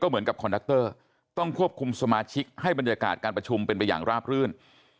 เหมือนกับคอนดักเตอร์ต้องควบคุมสมาชิกให้บรรยากาศการประชุมเป็นไปอย่างราบรื่น